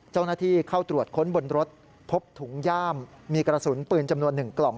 เจ้าหน้าที่เข้าตรวจค้นบนรถพบถุงย่ามมีกระสุนปืนจำนวน๑กล่อง